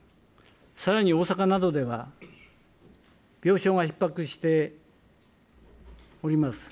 さらに大阪などでは、病床がひっ迫しております。